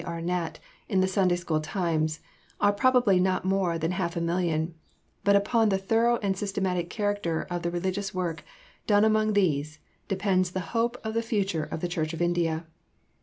Arnett in the Sunday School Times, "are probably not more than half a million, but upon the thorough and systematic character of the religious work done among these depends the hope of the future of the church of India.